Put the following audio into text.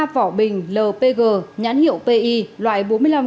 ba vỏ bình lpg nhãn hiệu pi loại bốn mươi năm